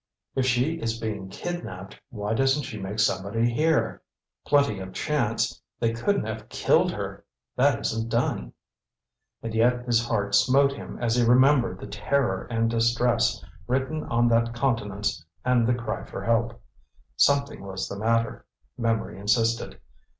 "If she is being kidnapped, why doesn't she make somebody hear? Plenty of chance. They couldn't have killed her that isn't done." And yet his heart smote him as he remembered the terror and distress written on that countenance and the cry for help. "Something was the matter," memory insisted.